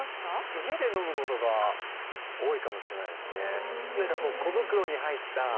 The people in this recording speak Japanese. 家で飲むことが多いかもしれないですね。